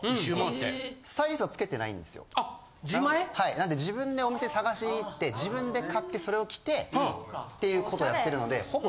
なんで自分でお店に探しに行って自分で買ってそれを着てていうことをやってるので。